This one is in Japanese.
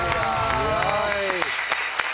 よし！